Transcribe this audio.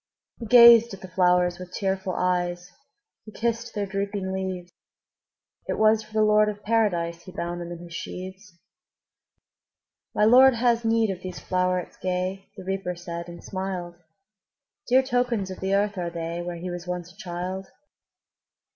'' He gazed at the flowers with tearful eyes, He kissed their drooping leaves; It was for the Lord of Paradise He bound them in his sheaves. ``My Lord has need of these flowerets gay,'' The Reaper said, and smiled; ``Dear tokens of the earth are they, Where he was once a child.